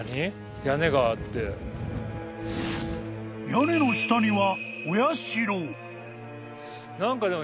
［屋根の下には］